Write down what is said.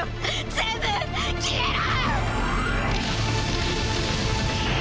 全部消えろ！